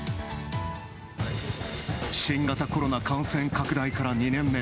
新型コロナ感染拡大から２年目。